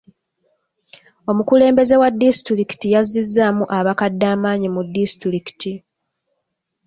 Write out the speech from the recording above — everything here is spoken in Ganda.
Omukulembeze wa disitulikiti yazizzaamu abakadde amaanyi mu disitulikiti.